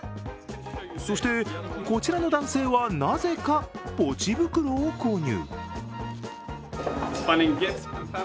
そして、こちらの男性は、なぜかポチ袋を購入。